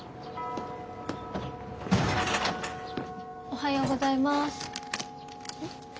おはようございます。